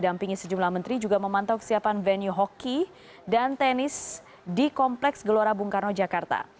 dampingi sejumlah menteri juga memantau kesiapan venue hoki dan tenis di kompleks gelora bung karno jakarta